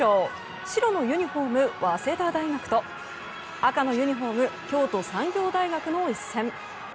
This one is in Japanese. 白のユニホーム、早稲田大学と赤のユニホーム京都産業大学の一戦。